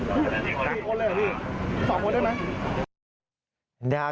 พี่โทรไว้พี่ส่งโทรได้ไหม